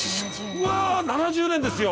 うわ７０年ですよ！